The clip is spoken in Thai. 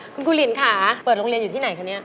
คุณครูลินค่ะเปิดโรงเรียนอยู่ที่ไหนคะเนี่ย